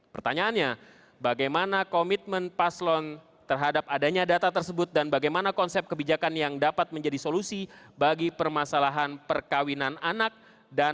pertanyaannya bagaimana komitmen paslon terhadap adanya data tersebut dan bagaimana konsep kebijakan yang dapat menjadi solusi bagi permasalahan perkawinan anak dan